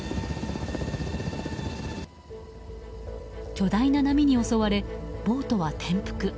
巨大な波に襲われボートは転覆。